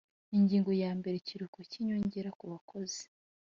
Ingingo yambere Ikiruhuko cy inyongera kubakozi